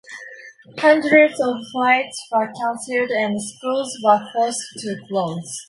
Hundreds of flights were cancelled and schools were forced to close.